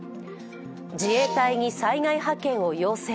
自衛隊に災害派遣を要請。